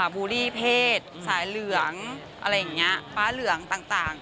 บูลลี่เพศสายเหลืองอะไรอย่างนี้ฟ้าเหลืองต่าง